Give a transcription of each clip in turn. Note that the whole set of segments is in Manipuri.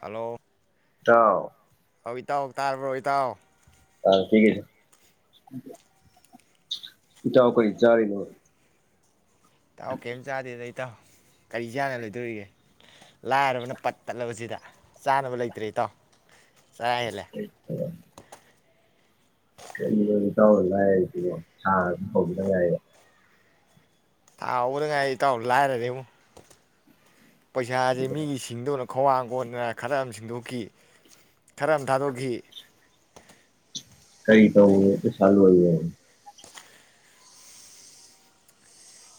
ꯍꯜꯂꯣ ꯇꯥꯎ ꯑꯧ ꯏꯇꯥꯎ ꯇꯥꯔꯕꯔꯣ ꯏꯇꯥꯎ ꯑꯥ ꯊꯤꯈꯤꯁꯦ ꯏꯇꯥꯎ ꯀꯔꯤ ꯆꯥꯔꯤꯅꯣ ꯏꯇꯥꯎ ꯀꯩꯌꯝ ꯆꯥꯗꯦꯗ ꯏꯇꯥꯎ ꯀꯔꯤ ꯆꯥꯔ ꯂꯩꯗꯣꯔꯤꯒꯦ ꯂꯥꯏꯔꯕꯅ ꯄꯠ ꯇꯠꯂꯕꯁꯤꯗ ꯆꯥꯅꯕ ꯂꯩꯇ꯭ꯔꯦ ꯏꯇꯥꯎ ꯆꯥꯔꯥ ꯍꯦꯜꯂꯦ ꯀꯔꯤꯅꯣ ꯏꯇꯥꯎ ꯅ ꯂꯥꯏꯔꯔꯤꯁꯤꯕꯣ ꯊꯥ ꯍꯧꯕꯗ ꯉꯥꯏꯔꯤ ꯊꯥ ꯍꯧꯕꯗ ꯉꯥꯏꯔꯤ ꯏꯇꯥꯎ ꯂꯥꯏꯔꯔꯦꯉꯣ ꯄꯩꯁꯥꯁꯦ ꯃꯤꯒꯤ ꯁꯤꯡꯗꯣꯔꯝ ꯈ꯭ꯋꯥꯡ ꯀꯣꯟꯗꯅ ꯈꯔ ꯑꯃ ꯁꯤꯡꯗꯣꯛꯈꯤ ꯈꯔ ꯑꯃ ꯊꯥꯗꯣꯛꯈꯤ ꯀꯔꯤ ꯇꯧꯕꯗ ꯄꯩꯁꯥ ꯂꯣꯏꯔꯤꯅꯣ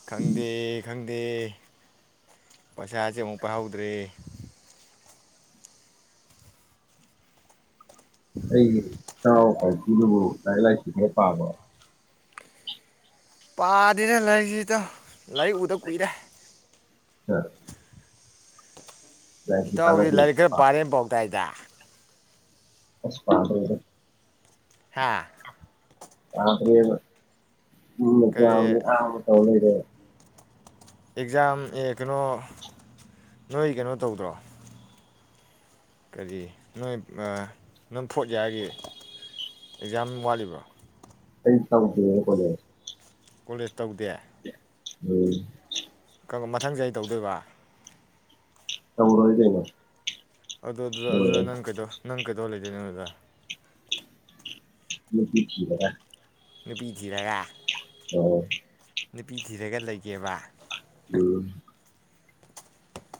ꯈꯪꯗꯦ ꯈꯪꯗꯦ ꯄꯩꯁꯥꯁꯦ ꯑꯃꯨꯛ ꯄꯥꯏꯍꯧꯗ꯭ꯔꯦ ꯑꯩꯒꯤ ꯏꯇꯥꯎ ꯀꯥꯏꯀꯨꯗꯨꯕꯨ ꯂꯥꯏꯔꯤꯛ ꯂꯥꯏꯁꯨ ꯈꯔ ꯄꯥꯕ꯭ꯔꯣ ꯄꯥꯗꯦꯗ ꯂꯥꯏꯔꯤꯛꯁꯦ ꯏꯇꯥꯎ ꯂꯥꯏꯔꯤꯛ ꯎꯗ ꯀꯨꯏꯔꯦ ꯑ ꯏꯇꯥꯎꯗꯤ ꯂꯥꯏꯔꯤꯛ ꯈꯔ ꯄꯥꯕ ꯄꯥꯔꯦ ꯄꯥꯎꯇꯥꯏꯗ ꯑꯁ ꯄꯥꯗꯦꯗ ꯍꯥꯥ ꯄꯥꯗꯦꯕ ꯇꯨꯝꯕꯅꯦ ꯀꯔꯤ ꯆꯥꯕꯅꯦ ꯂꯥꯡꯕꯅꯦ ꯇꯧ ꯂꯩꯔꯦ ꯑꯦꯛꯖꯥꯝ ꯑꯦ ꯀꯩꯅꯣ ꯅꯣꯏ ꯀꯩꯅꯣ ꯇꯧꯗ꯭ꯔꯣ ꯀꯔꯤ ꯅꯣꯏ ꯑ ꯅꯣꯏ ꯐꯣꯔꯠ ꯏꯌꯥꯔꯒꯤ ꯑꯦꯛꯖꯥꯝ ꯋꯥꯠꯂꯤꯕ꯭ꯔꯣ ꯑꯩ ꯇꯧꯗꯤꯌꯦ ꯀꯣꯂꯦꯖ ꯀꯣꯂꯦꯖ ꯇꯧꯗꯦ ꯎꯝ ꯀꯔꯝ ꯃꯊꯪ ꯆꯍꯤ ꯇꯧꯗꯣꯏꯕ ꯇꯧꯔꯔꯣꯏ ꯀꯩꯅꯣ ꯑꯗꯨ ꯑꯗꯨ ꯑꯗꯨꯗ ꯂꯣꯏꯔꯦ ꯅꯪ ꯀꯩꯗꯧ ꯅꯪ ꯀꯩꯗꯧ ꯂꯩꯗꯣꯏꯅꯣ ꯑꯗꯨꯗ ꯅꯨꯄꯤ ꯊꯤꯔꯒ ꯅꯨꯄꯤ ꯊꯤꯔꯒ ꯎꯝ ꯅꯨꯄꯤ ꯊꯤꯔꯒ ꯂꯩꯒꯦꯕ ꯎꯝ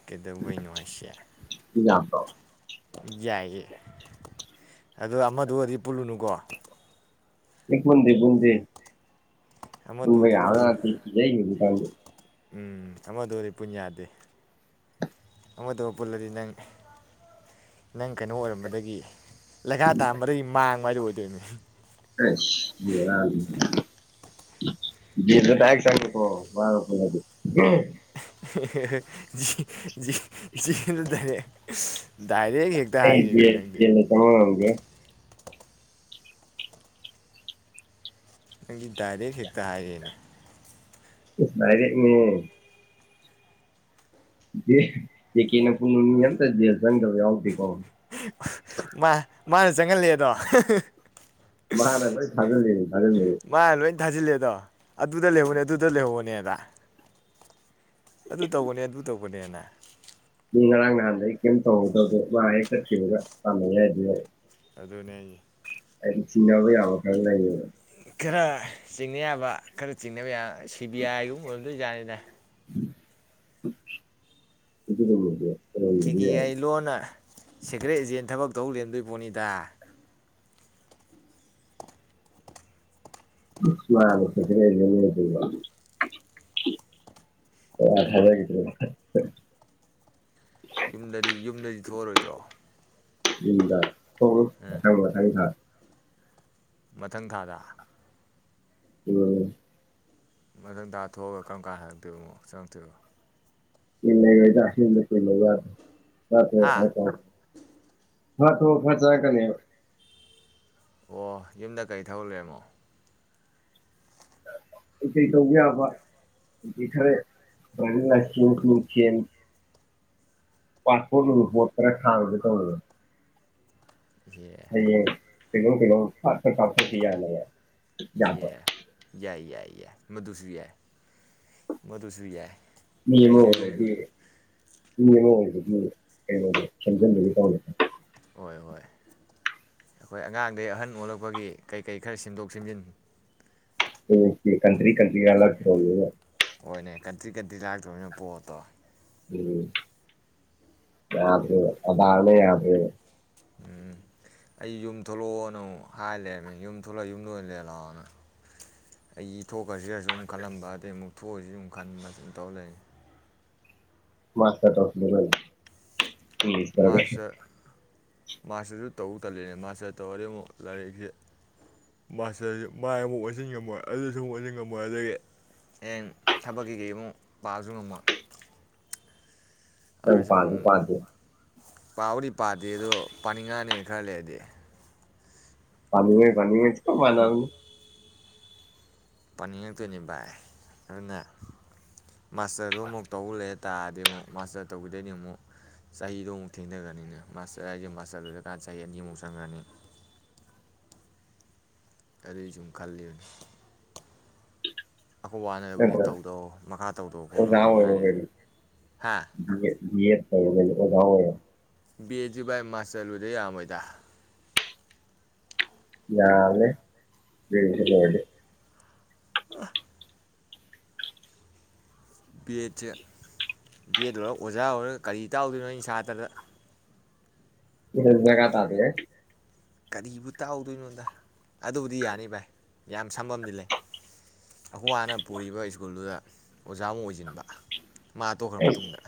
ꯀꯩꯗꯧꯕꯩꯅꯣ ꯍꯥꯏꯁꯦ ꯅꯨꯄꯤ ꯌꯥꯝꯕ꯭ꯔꯣ ꯌꯥꯏꯌꯦ ꯑꯣ ꯑꯃꯗꯨꯒ ꯑꯣꯏꯔꯗꯤ ꯄꯨꯜꯂꯨꯅꯨꯀꯣ ꯑꯩ ꯈꯪꯗꯦ ꯈꯪꯗꯦ ꯇꯨꯝꯕ ꯑꯃꯗꯨꯗꯤ ꯌꯥꯕꯖꯥꯠ ꯄꯨꯜꯂꯨꯅꯨ ꯅꯠꯇꯦ ꯀꯤꯖꯩꯅꯦ ꯄꯥꯝꯗꯦ ꯎꯝ ꯑꯃ ꯗꯨꯗꯤ ꯄꯨꯟ ꯌꯥꯗꯦ ꯑꯃꯗꯨ ꯄꯨꯜꯂꯗꯤ ꯅꯪ ꯅꯪ ꯀꯩꯅꯣ ꯑꯣꯏꯔꯝꯕꯗꯒꯤ ꯂꯩꯈꯥ ꯇꯥꯔꯝꯕꯗꯒꯤ ꯃꯥꯡꯕ ꯍꯥꯏꯗꯨꯣ ꯑꯣꯏꯗꯣꯏꯅꯤ ꯑꯁ ꯕꯦꯔꯥꯅꯤꯅꯦ ꯇꯥꯏ ꯁꯥꯡꯦꯣ [unintelligible] ꯍꯦꯍꯦꯍꯦ ꯖꯤꯅ ꯇꯔꯦ [unintelligible] [inaudible] ꯑꯩꯂ ꯆꯃꯒꯦ [unintelligible] ꯅꯪꯗꯤ ꯗꯥꯏꯔꯦꯛ ꯍꯦꯛꯇ ꯍꯥꯏꯔꯦꯅꯦ ꯗꯥꯏꯔꯦꯛꯅꯦꯍꯦ ꯇꯤꯀꯦ ꯄꯨꯟꯕ ꯃꯤ ꯑꯝꯇ ꯖꯦꯜ ꯆꯪꯗꯕ ꯌꯥꯎꯗꯦꯀꯣ ꯃꯥ ꯃꯥꯅ ꯆꯪꯍꯟꯂꯦꯗꯣ ꯃꯥꯅ ꯂꯣꯏ ꯊꯖꯟꯂꯤꯅꯤ ꯊꯖꯟꯕꯗꯤ ꯊꯥꯖꯤꯜꯂꯦ ꯑꯗꯣ ꯑꯗꯨꯗ ꯂꯩꯍꯧꯅꯦ ꯑꯗꯨꯗ ꯂꯩꯍꯧꯕꯅꯦꯗ ꯑꯗꯨ ꯇꯧꯕꯅꯦ ꯑꯗꯨ ꯇꯧꯕꯅꯦꯅ ꯃꯤ ꯉꯔꯥꯡ ꯅꯍꯥꯟꯗꯒꯤ ꯀꯩꯝ ꯇꯧꯍꯧꯗꯕꯗꯣ ꯃꯥ ꯍꯦꯛ ꯆꯠꯈꯤꯕꯒ ꯇꯝꯅꯩ ꯍꯥꯏꯕ ꯌꯦꯡꯉꯣ ꯑꯗꯨꯅꯦ ꯍꯥꯏꯖꯦ ꯑꯩ ꯆꯤꯡꯅꯕ ꯌꯕ ꯈꯔ ꯂꯩꯌꯦ ꯈꯔ ꯆꯤꯡꯅ ꯌꯥꯕ ꯈꯔ ꯆꯤꯡꯅꯕ ꯌꯥ ꯁꯤ ꯕꯤ ꯑꯥꯏ ꯒꯨꯝꯕ ꯑꯣꯏꯔꯝꯗꯣꯏ ꯖꯥꯠꯅꯤꯗ ꯏꯗ [unintelligible] ꯇꯤꯀꯦ ꯀꯥꯖꯦ ꯂꯣꯟꯅ ꯁꯦꯀ꯭ꯔꯦꯠ ꯑꯦꯖꯦꯟ ꯊꯕꯛ ꯇꯧ ꯂꯩꯔꯝꯗꯣꯏ ꯄꯣꯠꯅꯤꯗ ꯍ [inaudible] ꯌꯨꯝꯗꯗꯤ ꯌꯨꯝꯗꯗꯤ ꯊꯣꯛꯑꯔꯣꯏꯗ꯭ꯔꯣ ꯌꯨꯝꯗ ꯊꯣꯛꯑꯔꯣꯏ ꯎꯝ ꯃꯊꯪ ꯃꯊꯪ ꯊꯥꯗ ꯃꯊꯪ ꯊꯥꯗ ꯎꯝ ꯃꯊꯪ ꯊꯥ ꯊꯣꯛꯑꯒ ꯀꯔꯝ ꯀꯥꯟ ꯍꯜꯂꯛꯇꯣꯏꯕ ꯑꯃꯨꯛ ꯆꯪꯉꯛꯇꯣꯏꯕ ꯏꯟꯅ ꯆꯅ ꯀ ꯂꯩ ꯌꯥꯗ [unintelligible] ꯑ ꯐꯦ ꯍꯥ [unintelligible] ꯐꯠ ꯊꯣꯛꯑ ꯐꯠ ꯆꯪꯉꯛꯀꯅꯦꯕ ꯑꯣ ꯌꯨꯝꯗ ꯀꯩ ꯊꯕꯛ ꯂꯩꯔꯃꯣ ꯀꯩ ꯀꯩ ꯇꯧꯕ ꯌꯕ ꯈꯔ ꯗ꯭ꯔꯥꯏꯐꯤꯡ ꯂꯥꯏꯁꯦꯟ ꯅꯨꯡꯁꯦꯟ ꯄꯥꯁꯄꯣꯔ ꯅꯨꯡꯄꯣꯠ ꯈꯔ ꯍꯥꯡꯉꯨꯒꯦ ꯇꯧꯅꯦ ꯌꯦ ꯀꯩꯅꯣꯝ ꯀꯩꯅꯣꯝ ꯐꯠ ꯀꯄ ꯌꯥꯅ ꯌꯥꯗ ꯏꯍꯦ ꯌꯥꯏ ꯃꯗꯨꯁꯨ ꯌꯥꯏ ꯃꯗꯨꯨꯁꯨ ꯌꯥꯏ ꯃꯤꯑꯃ ꯑꯩꯁꯨ ꯌꯨꯝ ꯑꯣꯏꯔꯗꯤ ꯃꯤ ꯑꯃ ꯑꯣꯏ ꯀꯩꯅꯣꯗꯣ ꯁꯦꯝꯖꯟꯗꯧꯒꯤ ꯇꯧꯔꯦ ꯍꯣꯏ ꯍꯣꯏ ꯑꯩꯈꯣꯏ ꯑꯉꯥꯡꯗꯩ ꯑꯍꯟ ꯑꯣꯜꯂꯛꯄꯒꯤ ꯀꯩꯀꯩ ꯈꯔ ꯁꯦꯝꯗꯣꯛ ꯁꯦꯝꯖꯤꯟ ꯀꯟꯇ꯭ꯔꯤ ꯀꯟꯇ꯭ꯔꯤ ꯂꯥꯜꯂꯛꯇꯣꯔꯕꯅꯤꯅ ꯍꯣꯏꯅꯦ ꯀꯟꯇ꯭ꯔꯤ ꯀꯟꯇ꯭ꯔꯤ ꯂꯥꯛꯇꯣꯏꯅꯣ ꯄꯣꯠꯇꯣ ꯎꯝ ꯌꯥꯗ꯭ꯦ ꯑꯗꯥꯔꯅ ꯌꯥꯗ꯭ꯔꯦ ꯎꯝ ꯑꯩ ꯌꯨꯝ ꯊꯣꯛꯂꯛꯑꯣꯅ ꯑꯃꯨꯛ ꯍꯥꯏ ꯂꯩꯔꯕꯅꯦ ꯌꯨꯝ ꯊꯣꯛꯂꯛ ꯌꯨꯝꯗ ꯑꯣꯏ ꯂꯩꯔꯦ ꯂꯥꯛꯑꯣꯅ ꯑꯩꯒꯤ ꯊꯣꯛꯈꯁꯤꯔꯁꯨꯝ ꯈꯜꯂꯝꯕ ꯑꯗꯩ ꯑꯃꯨꯛ ꯊꯣꯛꯑꯣꯏꯁꯤ ꯑꯗꯨꯨꯝ ꯈꯟꯕ ꯁꯨꯝ ꯇꯧ ꯂꯩ ꯃꯥꯁꯇꯔ ꯇꯧꯁꯤꯜꯂꯨ ꯀꯩꯅꯣ ꯃꯥꯁꯇꯔ [unintelligible] ꯃꯥꯁꯇꯔꯁꯨ ꯇꯧ ꯇꯜꯂꯤꯅꯦ ꯃꯥꯁꯇꯔ ꯇꯧꯔꯗꯤ ꯑꯃꯨꯛ ꯂꯥꯏꯔꯤꯛꯁꯤ ꯃꯥꯁꯇꯔꯁꯤ ꯃꯥꯏ ꯑꯃꯨꯛ ꯑꯣꯟꯁꯤꯟ ꯉꯝꯃꯣꯏ ꯑꯗꯨꯁꯨ ꯑꯃꯛ ꯑꯣꯟꯁꯤꯟ ꯉꯝꯃꯣꯏ ꯑꯗꯒꯤ ꯍꯌꯦꯡ ꯊꯕꯛ ꯀꯩꯀꯩ ꯑꯃꯨꯛ ꯄꯥꯕꯁꯨ ꯉꯝꯃꯣꯏ ꯅꯪ ꯄꯥꯁꯨ ꯄꯥꯗꯦ ꯄꯥꯎꯗꯤ ꯄꯥꯗꯦ ꯑꯗꯣ ꯄꯥꯅꯤꯡꯉꯛꯅꯦ ꯈꯔ ꯂꯩꯔꯗꯤ ꯄꯥꯅꯤꯡꯉꯣꯏ ꯄꯥꯅꯤꯡꯉꯣꯁ ꯆꯞ ꯃꯥꯟꯅꯕꯅꯦ ꯄꯥꯅꯤꯡꯉꯛꯇꯣꯏꯅꯤ ꯚꯥꯏ ꯑꯗꯨꯅ ꯃꯥꯁꯇꯔꯗꯨ ꯑꯃꯨꯛ ꯇꯧꯕ ꯂꯩ ꯇꯥꯔꯗꯤ ꯑꯃꯨꯛ ꯃꯥꯁꯇꯔ ꯇꯧꯕꯤꯗꯣꯏꯗꯤ ꯑꯃꯨꯛ ꯆꯍꯤꯗꯣ ꯑꯃꯨꯛ ꯊꯦꯡꯊꯈ꯭ꯔꯅꯤꯅꯦ ꯃꯥꯁꯇꯔ ꯍꯥꯏꯁꯦ ꯃꯥꯁꯇꯔꯗꯨꯗꯀꯥꯟꯗ ꯆꯍꯤ ꯑꯅꯤꯃꯨꯛ ꯆꯪꯈ꯭ꯔꯅꯤ ꯑꯗꯨꯒꯤ ꯁꯨꯝ ꯈꯜꯂꯤꯕꯅꯦ ꯑꯈꯣꯏ ꯕꯥꯅꯕꯨꯗꯤ ꯅꯠꯇ꯭ꯔ ꯇꯧꯗꯧ ꯃꯈꯥ ꯇꯧꯗꯣ ꯈꯣꯠꯂꯣ ꯑꯣꯖꯥ ꯑꯗꯨꯝ ꯑꯣꯏꯔꯣ ꯍꯥꯏꯔꯛꯑꯦ ꯀꯩꯅꯣ ꯍꯥ ꯀꯩꯗꯧꯗꯣꯏꯅꯣ ꯑꯣꯖꯥ ꯑꯣꯏꯔ ꯕꯦꯠ ꯁꯨ ꯚꯥꯏ ꯃꯥꯁꯇꯔ ꯂꯣꯏꯗ ꯌꯥꯔꯝꯃꯣꯏꯗ ꯌꯥꯕꯅꯦ ꯒ꯭ꯔꯦꯖꯨꯌꯦꯠ ꯂꯣꯏꯔꯗꯤ ꯕꯤ ꯑꯦꯠꯁꯦ ꯕꯦꯠ ꯂꯣꯏꯔꯒ ꯑꯣꯖꯥ ꯑꯣꯏꯔ ꯀꯔꯤ ꯇꯥꯛꯎꯗꯣꯏꯅꯣ ꯑꯩꯅ ꯁꯥꯇ꯭ꯔꯗ ꯗꯔꯀꯥ ꯇꯥꯗꯦꯍꯦ ꯀꯔꯤꯕꯨ ꯇꯥꯛꯎꯗꯣꯏꯅꯣꯗ ꯑꯗꯨꯕꯨꯗꯤ ꯌꯥꯅꯤ ꯚꯥꯏ ꯌꯥꯝ ꯁꯝꯕꯝꯗꯤ ꯂꯩ ꯑꯩꯈꯣꯏ ꯕꯥꯅ ꯄꯨꯔꯤꯕ ꯁ꯭ꯀꯨꯜꯗꯨꯗ ꯑꯣꯖꯥꯃꯨꯛ ꯑꯣꯏꯁꯤꯟꯕ ꯃꯥ ꯇꯣꯛꯈ꯭ꯔ ꯃꯇꯨꯡꯗ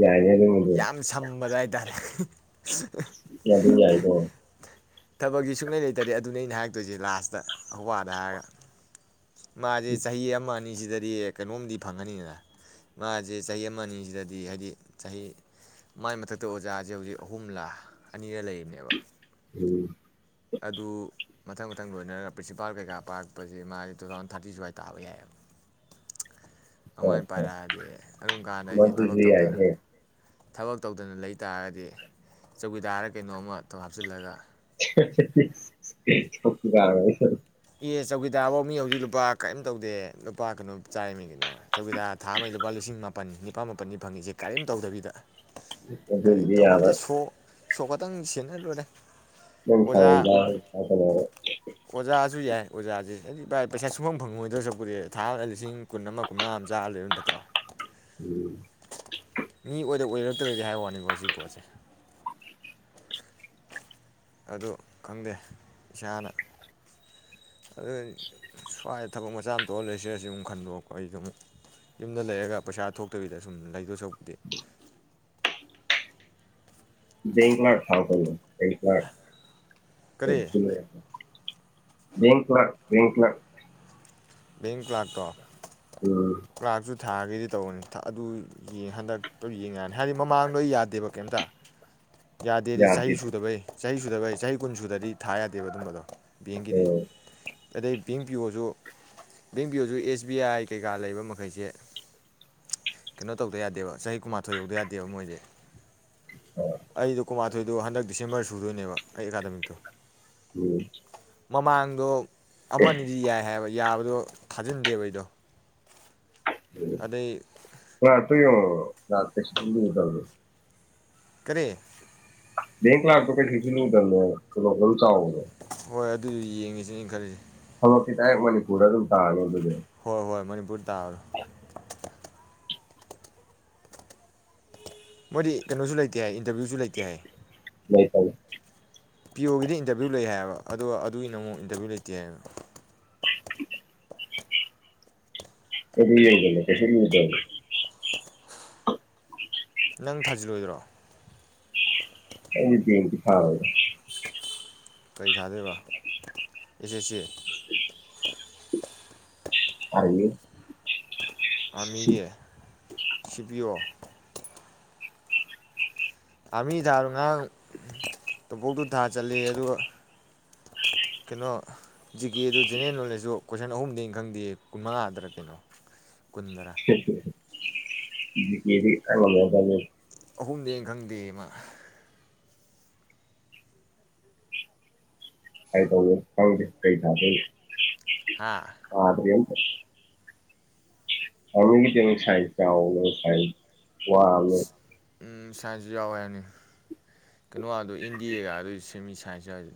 ꯌꯥꯏꯍꯦ ꯑꯗꯨꯃꯗꯤ ꯌꯥꯝ ꯁꯝꯕꯗ ꯍꯥꯏꯇꯥꯔꯦ ꯑꯗꯨ ꯌꯥꯏꯀꯣ ꯊꯕꯛꯁꯤ ꯁꯨꯡꯂꯩ ꯂꯩꯇ꯭ꯔꯗꯤ ꯑꯗꯨꯅꯤ ꯑꯩꯅ ꯍꯥꯏꯔꯛꯇꯣꯏꯁꯤ ꯂꯥꯁꯇ ꯑꯈꯣꯏ ꯄꯥꯗ ꯍꯥꯏꯔꯒ ꯃꯥꯁꯦ ꯆꯍꯤ ꯑꯃꯅꯤꯁꯤꯗ ꯍꯥꯏꯗꯤ ꯀꯩꯅꯣꯝꯗꯤ ꯐꯪꯉꯅꯤꯗꯅ ꯃꯥꯁꯦ ꯆꯍꯤ ꯑꯃ ꯑꯅꯤꯁꯤꯗꯗꯤ ꯍꯥꯏꯗꯤ ꯆꯍꯤ ꯃꯥꯏ ꯃꯊꯛꯇ ꯑꯣꯖꯥꯁꯦ ꯍꯧꯖꯤꯛ ꯑꯍꯨꯝꯂꯥ ꯑꯅꯤꯔ ꯂꯩꯔꯤꯅꯦꯕ ꯎꯝ ꯃꯊꯪ ꯃꯊꯪ ꯂꯣꯏꯅꯔꯒ ꯄ꯭ꯔꯤꯟꯁꯤꯄꯥꯜ ꯀꯩꯀꯥ ꯄꯥꯔꯛꯄꯁꯤꯦ ꯃꯥꯁ ꯇꯨ ꯊꯥꯎꯖꯟ ꯊꯥꯔꯇꯤ ꯁ꯭ꯋꯥꯏꯗ ꯇꯥꯕ ꯌꯥꯏꯑꯕ ꯍꯣꯏ ꯑꯗꯨꯃꯥꯏꯅ ꯍꯣꯏ ꯄꯥꯏꯔꯛꯑꯗꯤ ꯑꯗꯨꯝ ꯀꯥꯟꯗ ꯑꯩꯁꯦ ꯊꯕꯛ ꯃꯗꯨꯁꯨ ꯇꯧꯗꯅ ꯌꯥꯏꯍꯦ ꯊꯕꯛ ꯇꯧꯗꯅ ꯂꯩ ꯇꯥꯔꯒꯗꯤ ꯆꯧꯀꯤꯗꯥꯔ ꯀꯩꯅꯣꯝꯃ ꯊꯣꯛ ꯍꯥꯞꯆꯤꯜꯂꯒ ꯆꯣꯀꯤꯗꯥꯔ ꯑꯣꯏꯔꯣ ꯑꯦ ꯆꯧꯀꯤꯗꯥꯔ ꯐꯧ ꯃꯤ ꯍꯧꯖꯤꯛ ꯂꯨꯄꯥ ꯀꯔꯤꯝ ꯇꯧꯗꯦ ꯂꯨꯄꯥ ꯀꯩꯅꯣ ꯆꯥꯔꯝꯃꯤ ꯀꯅꯣ ꯆꯧꯀꯤꯗꯥꯔ ꯊꯥ ꯑꯃꯒꯤ ꯂꯨꯄꯥ ꯂꯤꯁꯤꯡ ꯃꯥꯄꯟ ꯅꯤꯄꯥ ꯃꯥꯄꯟꯅꯤ ꯐꯪꯉꯤꯁꯦ ꯀꯔꯤꯝ ꯇꯧꯗꯕꯤꯗ ꯀꯔꯤꯝ ꯑꯗꯨꯕꯨꯗꯤ ꯇꯧꯕ ꯌꯥꯕ ꯅꯠꯇꯦ ꯁꯣ ꯁꯣ ꯈꯇꯪ ꯁꯦꯟꯅ ꯂꯣꯏꯔꯦ ꯑꯣꯖꯥ [unintelligible] ꯑꯣꯖꯥꯁꯨ ꯌꯥꯏ ꯑꯣꯖꯥꯁꯦ ꯑꯩ ꯚꯥꯏ ꯄꯩꯁꯥ ꯁꯨꯡꯐꯝ ꯐꯪꯉꯣꯏꯗ ꯁꯔꯨꯛꯄꯨꯗꯤ ꯊꯥ ꯑꯃꯗ ꯂꯤꯁꯤꯡ ꯀꯨꯟ ꯑꯃ ꯀꯨꯟꯃꯥ ꯑꯃ ꯆꯥꯔ ꯂꯩꯕꯅ ꯐꯠꯇ꯭ꯔꯣ ꯎꯝ ꯑꯗ ꯑꯣꯏꯔꯛꯇ꯭ꯔꯗꯤ ꯍꯥꯏꯕ ꯋꯥꯅꯤꯀꯣ ꯁꯤ ꯄꯣꯠꯁꯦ ꯑꯗꯨ ꯈꯪꯗꯦ ꯏꯁꯥꯅ ꯑꯗꯨꯒ ꯁ꯭ꯋꯥꯏꯗ ꯊꯕꯛ ꯃꯆꯥ ꯑꯃ ꯇꯧꯔ ꯂꯩꯁꯤꯔ ꯑꯃꯨꯛ ꯈꯟꯕ ꯑꯩꯗꯣ ꯌꯨꯝꯗ ꯂꯩꯔꯒ ꯄꯩꯁꯥ ꯊꯣꯛꯇꯕꯤꯗ ꯁꯨꯝ ꯂꯩꯗꯣꯏ ꯁꯔꯨꯛꯄꯨꯗꯤ ꯕꯦꯡ ꯀ꯭ꯂꯥꯛ ꯊꯥꯎ ꯀꯩꯅꯣ ꯕꯦꯡ ꯀ꯭ꯂꯥꯛ [unintelligible] ꯗꯕꯜ ꯀꯔꯤ ꯐꯥꯏ ꯗꯕꯜ ꯐ꯭ꯕꯥ ꯕꯦꯡ ꯀ꯭ꯂꯥꯛꯇꯣ ꯎꯝ ꯀ꯭ꯂꯥꯛꯁꯨ ꯊꯥꯒꯦꯗꯤ ꯇꯧꯕꯅꯤ ꯑꯗꯨ ꯌꯦ ꯍꯟꯗꯛꯇꯨ ꯌꯦꯡ ꯌꯥꯅꯤ ꯍꯥꯏꯗꯤ ꯃꯃꯥꯡꯗꯣ ꯌꯥꯗꯦꯕ ꯀꯩꯝꯇ ꯌꯥꯗꯦꯗꯤ ꯆꯍꯤ ꯌꯥꯗꯦꯗ ꯁꯨꯗꯕꯩ ꯆꯍꯤ ꯁꯨꯗꯕꯩ ꯆꯍꯤ ꯀꯨꯟ ꯁꯨꯗꯗꯤ ꯊꯥ ꯌꯥꯗꯦꯕ ꯑꯗꯨꯝꯕꯗꯣ ꯕꯦꯡꯒꯤꯗꯤ ꯎꯝ ꯑꯗꯩ ꯕꯤꯡ ꯄꯤꯌꯣꯁꯨ ꯕꯦꯡꯄꯤꯌꯣꯁꯨ ꯑꯦꯁ ꯕꯤ ꯑꯥꯏ ꯀꯩꯀꯥ ꯂꯩꯕ ꯃꯈꯩꯁꯦ ꯀꯩꯅꯣ ꯇꯧꯗ ꯌꯥꯗꯦꯕ ꯆꯍꯤ ꯀꯨꯃꯥꯊꯣꯏ ꯌꯧꯗ ꯌꯥꯗꯦꯕ ꯃꯣꯏꯁꯦ ꯑꯥ ꯑꯩꯗꯨ ꯀꯨꯃꯥꯊꫭꯏ ꯑꯗꯨꯗꯣ ꯍꯟꯗꯛ ꯗꯤꯁꯦꯝꯕꯔ ꯁꯨꯗꯣꯏꯅꯦꯕ ꯑꯩ ꯑꯦꯀꯥꯗꯃꯤꯛꯇꯣ ꯎꯝ ꯃꯃꯥꯡꯗꯣ ꯑꯃꯅꯤ ꯗꯤ ꯌ ꯥꯏꯍ ꯌꯥꯕꯗꯣ ꯊꯥꯖꯤꯟꯗꯦꯕ ꯑꯩꯗꯣ ꯑꯨ ꯑꯗꯩ ꯀ꯭ꯂꯥ ꯇꯨ ꯌꯦ ꯂꯥꯛꯀꯦꯁꯨ ꯔꯨꯗꯅꯤ ꯀꯥꯔꯤ ꯕꯦꯡ ꯀ꯭ꯂꯥꯛꯇꯤꯁꯨ ꯀꯩ ꯂꯨꯗꯃꯦꯕ ꯇꯨꯂꯣꯞ ꯑꯗꯨꯨꯝ ꯆꯥꯎ ꯍꯣꯏ ꯑꯗꯨꯁꯨ ꯌꯦꯡꯉꯁꯤꯅꯦ ꯈꯜꯂꯤꯁꯦ ꯍꯧꯂꯛꯀꯤ ꯇꯥꯏ ꯃꯅꯤꯄꯨꯔꯗ ꯑꯗꯨꯝ ꯇꯥꯒꯣ ꯑꯗꯨꯅꯦ ꯍꯣꯏ ꯍꯣꯏ ꯃꯅꯤꯄꯨꯔ ꯇꯥꯔꯣ ꯃꯣꯏꯗꯤ ꯀꯩꯅꯣꯁꯨ ꯂꯩꯇꯦ ꯍꯥꯏ ꯏꯟꯇꯔꯚꯤꯌꯨꯁꯨ ꯂꯩꯇꯦ ꯍꯥꯏ ꯂꯩ ꯇꯅꯤ ꯄꯤ ꯑꯣꯒꯤꯗꯤ ꯏꯟꯇꯔꯚꯤꯌꯨ ꯂꯩ ꯍꯥꯏꯌꯦꯕ ꯑꯗꯨꯒ ꯑꯗꯨꯒꯤꯅ ꯑꯃꯨꯛ ꯏꯟꯇꯔꯚꯤꯌꯨ ꯂꯩꯇꯦ ꯍꯥꯏꯌꯦꯕ [inaudible] ꯂꯨꯏ ꯌꯥꯗꯃꯦ ꯀꯩꯁꯨ ꯂꯨꯗ ꯍꯥ ꯅꯪ ꯊꯥꯖꯤꯜꯂꯣꯏꯗ꯭ꯔꯣ ꯑꯦꯒꯤ ꯕꯦꯡꯇꯤ ꯇꯥꯔꯣꯢ ꯀꯔꯤ ꯊꯥꯗꯦꯏꯕ ꯑꯦ ꯁꯦ ꯁꯤ ꯑꯌꯦ ꯑꯃꯤꯒꯤ ꯁꯤꯄꯤꯌꯣ ꯑꯥꯔꯃꯤ ꯊꯥꯔꯣ ꯉꯔꯥꯡ ꯇꯣꯕꯣꯛꯇꯨ ꯊꯥ ꯆꯠꯂ ꯑꯗꯨꯒ ꯀꯩꯅꯣ ꯖꯤ ꯀꯦꯗꯨ ꯖꯦꯅꯦꯔꯦꯜ ꯅꯣꯂꯦꯖꯁꯨꯨ ꯀꯣꯏꯁꯟ ꯑꯍꯨꯝꯗꯩ ꯈꯪꯗꯦ ꯀꯨꯟ ꯃꯉꯥꯗ꯭ꯔ ꯀꯩꯅꯣ ꯀꯨꯟꯗꯅ ꯖꯤ ꯀꯦ ꯑꯉꯣꯟꯗ ꯊꯥ ꯑꯍꯨꯝꯗꯦꯅ ꯈꯪꯗꯦꯌꯦ ꯃꯥ ꯀꯩ ꯇꯧꯋꯦ ꯈꯪꯗꯦ ꯀꯩ ꯇꯥꯗꯣꯏ ꯍꯥ ꯑꯌꯦꯟ [unintelligible] ꯋꯥ [unintelligible] ꯎꯝ ꯁꯥꯏꯁꯨ ꯌꯥꯎꯑꯦ ꯍꯥꯏꯕꯅꯦ ꯀꯩꯅꯣ ꯏꯟꯗꯤꯑꯦ ꯒꯥꯏꯗꯨꯗꯤ ꯁꯦꯝꯃꯤ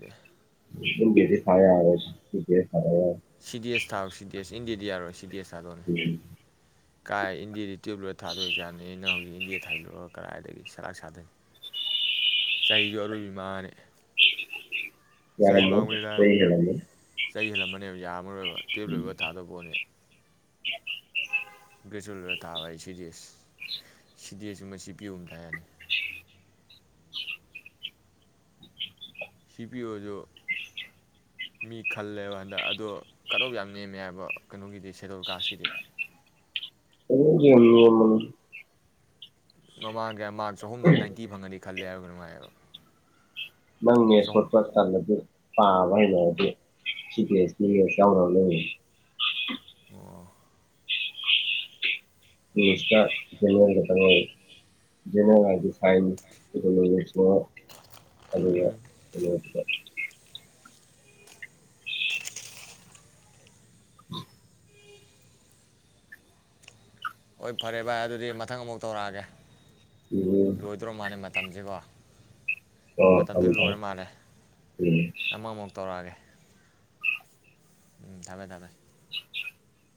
[unintelligible] [unintelligible] [unintelligible] ꯁꯤ ꯗꯤ ꯑꯦꯁ ꯊꯥꯗꯥ ꯌꯥꯔꯣꯏ ꯁꯤ ꯗꯤ ꯑꯦꯁ ꯊꯥꯎ ꯁꯤ ꯗꯤ ꯑꯦꯁ ꯏꯟꯗꯤꯌꯦ ꯗꯤ ꯌꯥꯔꯣꯏ ꯁꯤ ꯗꯤ ꯑꯦꯁ ꯊꯗꯣꯔꯦ ꯀꯥꯏ ꯏꯟꯗꯤꯑꯦꯗꯤ ꯇ꯭ꯌꯨꯜꯚ ꯂꯣꯏꯔꯥ ꯊꯥꯗꯣꯏ ꯑꯦꯛꯓꯥꯝ ꯅꯤꯅꯥ ꯏꯅꯥꯎ [unintelligible] ꯊꯥꯏꯗꯣꯛꯑꯒ ꯀꯗꯥꯏꯗꯒꯤ ꯁꯔꯥꯛ ꯁꯥꯗꯣꯏꯅꯤ ꯆꯍꯤꯁꯨ ꯑꯔꯣꯏꯕꯤ ꯃꯥꯡꯉꯥꯅꯤ ꯆꯍꯤ ꯃꯥꯡꯕꯗꯤ ꯂꯥꯏꯔꯗꯅꯥ ꯆꯍꯤ ꯍꯦꯜꯂꯝꯃꯅꯦꯕ ꯌꯥꯔꯝꯃꯔꯣꯏꯕ ꯇ꯭ꯌꯨꯜꯚ ꯂꯣꯏꯕ ꯊꯥꯗꯧ ꯄꯣꯠꯅꯤ [unintelligible] ꯒ꯭ꯔꯦꯖꯨꯋꯦꯠ ꯂꯣꯏꯔ ꯊꯥꯕ ꯍꯥꯏ ꯁꯤ D S C D S ꯒꯨꯝꯕ ꯁꯤ ꯄꯤ ꯌꯣ ꯒꯨꯝꯕꯥ ꯊꯕꯥ ꯌꯥꯅꯤ ꯁꯤ ꯄꯤ ꯑꯣꯁꯨ ꯃꯤ ꯈꯜꯂꯦꯕꯥ ꯍꯟꯗꯛ ꯑꯗꯣ ꯀꯠ‌ ꯑꯣꯐ ꯌꯥꯝ ꯅꯦꯝꯃꯦ ꯍꯥꯏꯕ ꯀꯩꯅꯣꯒꯤꯗꯤ ꯁꯦꯗꯨꯜ ꯀꯥꯁꯀꯤꯗꯤ [unintelligible] [inaudible] ꯃꯃꯥꯡ ꯀꯩꯌꯥ ꯃꯥꯔꯛ ꯆꯍꯨꯝꯗ ꯅꯥꯏꯟꯇꯤ ꯐꯪꯉꯥꯗꯤ ꯈꯜꯂꯦ [unintelligible] ꯅꯨꯡꯉꯥꯏꯌꯦꯕ ꯅꯪ ꯃꯦꯠꯁ ꯍꯣꯠꯄ ꯇꯜꯂꯥꯗꯤ ꯄꯥ [unintelligible] [unintelligible] ꯁꯤ ꯗꯤ ꯑꯦꯁ ꯇꯤ ꯃꯦꯟꯁ ꯌꯥꯎꯅꯕꯅꯦ [unintelligible] ꯏꯪꯂꯤꯁꯇ ꯖꯦꯅꯦꯔꯜ ꯈꯛꯇꯪ ꯂꯩ ꯖꯦꯅꯔꯦꯜ ꯍꯥꯏꯗꯤ ꯁꯥꯏꯟꯁ [unintelligible] [inaudible] ꯏꯪꯂꯤꯁꯅꯦ ꯑꯗꯨꯒ ꯎꯝ [unintelligible] ꯍꯣꯏ ꯐꯔꯦ ꯚꯥꯏ ꯑꯗꯨꯗꯤ ꯃꯊꯪ ꯑꯃꯨꯛ ꯇꯧꯔꯛꯑꯒꯦ ꯂꯣꯏꯗ꯭ꯔꯣꯃꯥꯜꯂꯦ ꯃꯇꯝꯁꯦꯀꯣ ꯃꯇꯝꯁꯦ ꯂꯣꯏꯔꯥ ꯃꯥꯜꯂꯦ ꯑꯃꯥꯃꯨꯛ ꯇꯧꯔꯛꯑꯒꯦ ꯎꯝ ꯊꯝꯃꯦ ꯊꯝꯃꯦ [inaudible]